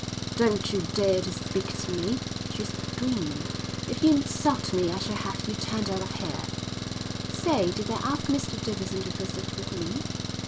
"Don't you dare to speak to me," she screamed. "If you insult me I shall have you turned out of here." "Say, did I ask Mr Davidson to visit with me?"